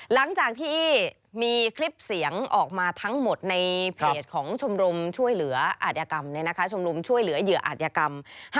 หลังจากที่มีคลิปเสียงออกมาทั้งหมดในเผ็ดของชมรมช่วยเหลืออัธยกรรม